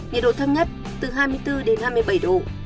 nhiệt độ thấp nhất từ hai mươi bốn đến hai mươi bảy độ